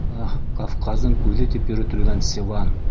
Аһ, Кавказдың күҙе тип йөрөтөлгән Севан!